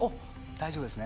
大丈夫ですね。